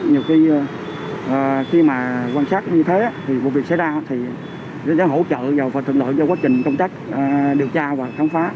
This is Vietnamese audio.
nhiều khi quan sát như thế vụ việc xảy ra thì sẽ hỗ trợ và thuận lợi cho quá trình công tác điều tra và khám phá